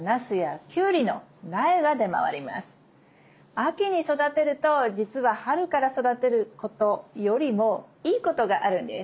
秋に育てると実は春から育てることよりもいいことがあるんです。